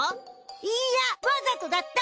いいやわざとだった！